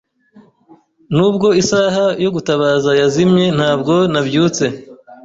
Nubwo isaha yo gutabaza yazimye, ntabwo nabyutse.